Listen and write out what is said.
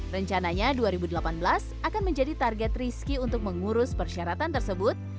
rencananya dua ribu delapan belas akan menjadi target rizky untuk mengurus persyaratan tersebut